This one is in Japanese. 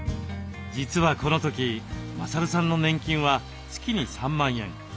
実はこの時勝さんの年金は月に３万円。